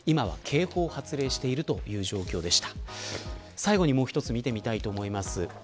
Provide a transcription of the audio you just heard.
最後にもう一つ見てみたいと思います。